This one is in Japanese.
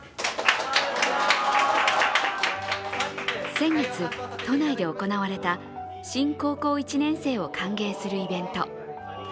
先月、都内で行われた新高校１年生を歓迎するイベント。